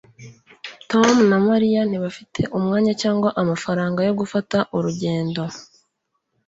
tom na mariya ntibafite umwanya cyangwa amafaranga yo gufata urugendo